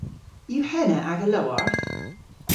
Yw henna aga lowarth?